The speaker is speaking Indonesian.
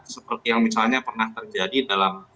seperti yang misalnya pernah terjadi dalam